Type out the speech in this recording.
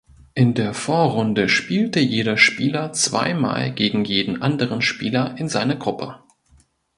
In der Vorrunde spielte jeder Spieler zweimal gegen jeden anderen Spieler in seiner Gruppe.